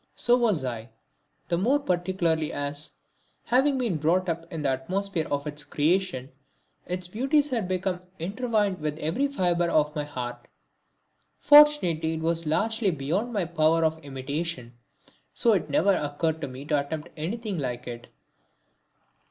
So was I; the more particularly as, having been brought up in the atmosphere of its creation, its beauties had become intertwined with every fibre of my heart. Fortunately it was entirely beyond my power of imitation, so it never occurred to me to attempt anything like it.